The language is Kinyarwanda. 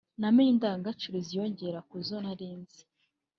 namenye indangagaciro ziyongera kuzo narinzi